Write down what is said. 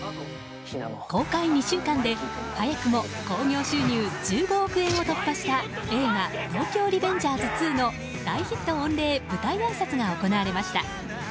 公開２週間で早くも興行収入１５億円を突破した映画「東京リベンジャーズ２」の大ヒット御礼舞台あいさつが行われました。